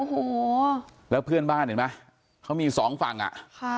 โอ้โหแล้วเพื่อนบ้านเห็นไหมเขามีสองฝั่งอ่ะค่ะ